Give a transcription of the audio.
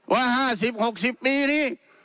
ว่า๕๐๖๐ปีนี้